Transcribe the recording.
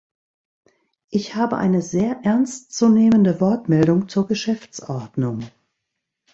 Ich habe eine sehr ernstzunehmende Wortmeldung zur Geschäftsordnung.